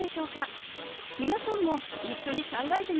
みなさんも一緒に考えてみませんか？